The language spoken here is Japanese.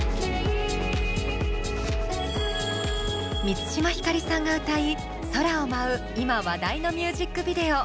満島ひかりさんが歌い空を舞う今話題のミュージックビデオ。